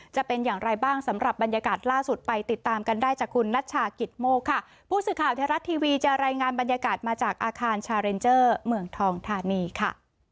จะเป็นอย่างไรบ้างสำหรับบรรยากาศล่าสุดไปติดตามกันได้จากคุณนัชชากิตโมกค่ะผู้สื่อข่าวไทยรัฐทีวีจะรายงานบรรยากาศมาจากอาคารชาเรนเจอร์เมืองทองธานีค่ะ